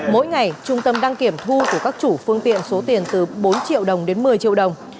mỗi ngày trung tâm đăng kiểm thu của các chủ phương tiện số tiền từ bốn triệu đồng đến một mươi triệu đồng